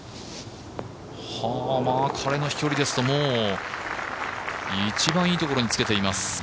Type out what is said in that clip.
彼の飛距離ですと、もう一番いいところにつけています。